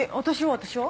私は？